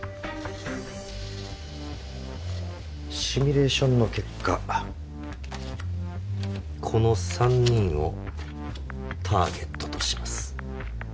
シミュレーションの結果この３人をターゲットとします。